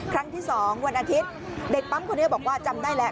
ครั้งที่๒วันอาทิตย์เด็กปั๊มคนนี้บอกว่าจำได้แล้ว